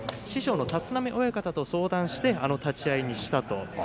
師匠の立浪親方と相談してあの立ち合いにしたと。